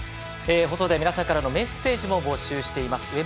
放送では皆さんからのメッセージも募集しています。